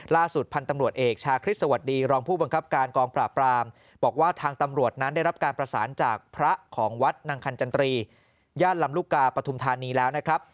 ล่าสุดพันธุ์ตำรวจเอกชาคริสต์สวัสดีรองผู้บังคับการกองปราบรามบอกว่าทางตำรวจนั้นได้รับการประสานจากพระของวัดนางคันจันตรีย่านลำลูกกาปฐุมธานีแล้วนะครับ